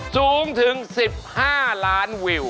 สูงถึง๑๕ล้านวิว